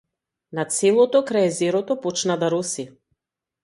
Над селото крај езерото почна да роси.